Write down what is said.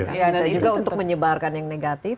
bisa juga untuk menyebarkan yang negatif